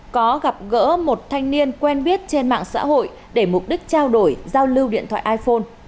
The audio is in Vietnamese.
có gặp gỡ một thanh niên quen biết trên mạng xã hội để mục đích trao đổi giao lưu điện thoại iphone